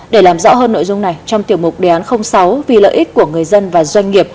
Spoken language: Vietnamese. để làm rõ hơn nội dung này trong tiểu mục đề án sáu vì lợi ích của người dân và doanh nghiệp